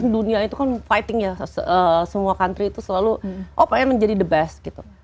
dunia itu kan fightingnya semua country itu selalu oh pengen menjadi the best gitu